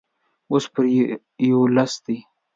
اوس يو پر لس دی.